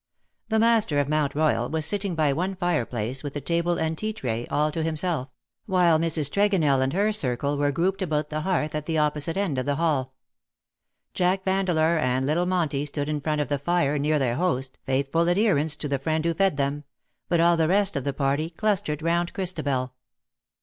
174 The master of Mount Royal was sitting by one fireplace, with a table and tea tray all to himself; while Mrs. Tregonell and her circle were grouped about the hearth at the opposite end of the hall. Jack Vandeleur and little Monty stood in front of the fire near their host^ faithful adherents to the friend who fed them; but all the rest of the party clustered round Christabel.